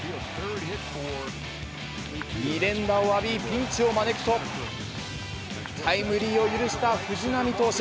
２連打を浴び、ピンチを招くと、タイムリーを許した藤浪投手。